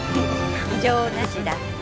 異常なしだって。